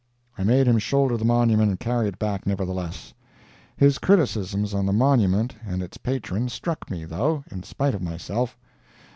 I made him shoulder the monument and carry it back, nevertheless. His criticisms on the monument and its patron struck me, though, in spite of myself.